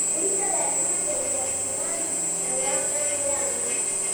وروسته دا سیمه د یهودانو تر واک لاندې راغله.